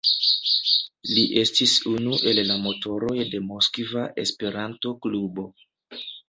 Li estis unu el la motoroj de Moskva Esperanto-Klubo.